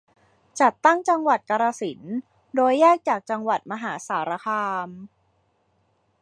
จัดตั้งจังหวัดกาฬสินธุ์ โดยแยกจากจังหวัดมหาสารคาม